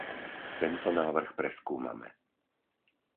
Tento návrh preskúmame.